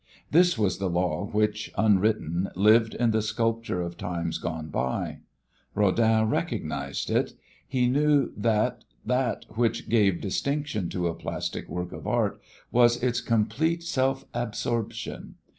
This was the law which, unwritten, lived in the sculptures of times gone by. Rodin recognized it; he knew that that which gave distinction to a plastic work of art was its complete self absorption.